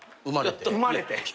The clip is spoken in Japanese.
生まれて。